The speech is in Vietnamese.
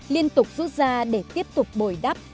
liên tục rút ra để tiếp tục bồi đắp